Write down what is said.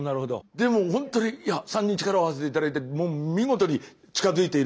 でもほんとに３人力を合わせて頂いてもう見事に近づいているのは。